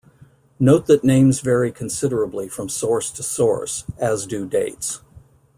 Note that names vary considerably from source to source, as do dates.